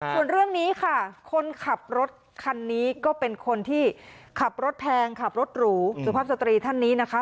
ส่วนเรื่องนี้ค่ะคนขับรถคันนี้ก็เป็นคนที่ขับรถแพงขับรถหรูสุภาพสตรีท่านนี้นะคะ